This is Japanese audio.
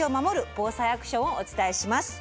ＢＯＳＡＩアクションをお伝えします。